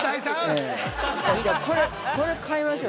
これ、買いましょう。